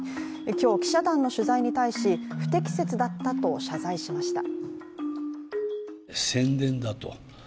今日、記者団の取材に対し不適切だったと謝罪しました。